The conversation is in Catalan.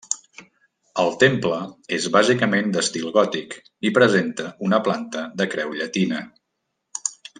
El temple és bàsicament d'estil gòtic i presenta una planta de creu llatina.